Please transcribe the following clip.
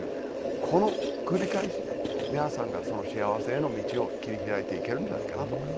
この繰り返しで皆さんがその幸せへの道を切り開いていけるんじゃないかなと思います。